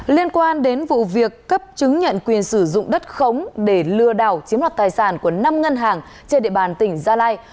liên quan đến vụ việc cấp chứng nhận quyền sử dụng đất khống để lừa đảo chiếm đoạt tài sản của năm ngân hàng trên địa bàn tỉnh gia lai